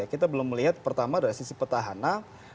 kita belum melihat pertama dari sisi petahana